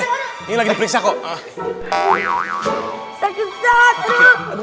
ini lagi diperiksa kok